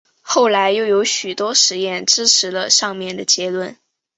后来又有许多实验支持了上面的结论。